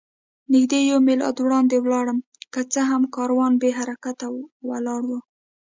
نږدې یو میل وړاندې ولاړم، که څه هم کاروان بې حرکته ولاړ و.